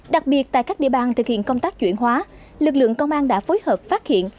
đặc biệt tại các địa bàn thực hiện công tác chuyển hóa lực lượng công an đã phối hợp phát hiện